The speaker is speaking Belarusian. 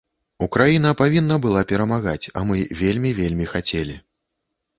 Украіна павінна была перамагаць,а мы вельмі вельмі хацелі.